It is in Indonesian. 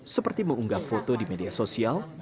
seperti mengunggah foto di media sosial